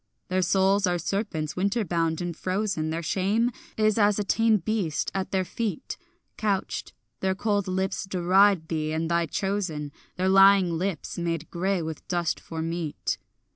Their souls are serpents winterbound and frozen, Their shame is as a tame beast, at their feet Couched; their cold lips deride thee and thy chosen, Their lying lips made grey with dust for meat.